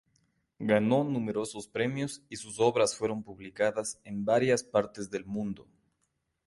Ganó numerosos premios y sus obras fueron publicadas en varias partes del mundo.